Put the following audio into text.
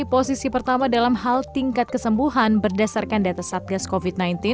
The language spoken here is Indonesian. posisi pertama dalam hal tingkat kesembuhan berdasarkan data satgas covid sembilan belas